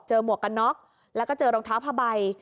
หมวกกันน็อกแล้วก็เจอรองเท้าผ้าใบ